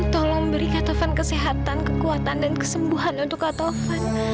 tolong beri kata van kesehatan kekuatan dan kesembuhan untuk kata van